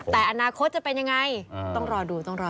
แต่อนาคตจะเป็นยังไงเดี๋ยวรอดู